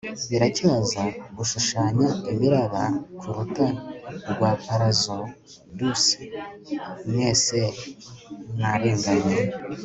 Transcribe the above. biracyaza gushushanya imiraba kurukuta rwa palazzo duc mwese mwarenganye